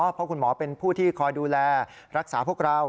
เพราะคุณหมอเป็นผู้ที่คอยดูแลรักษาพวกเรา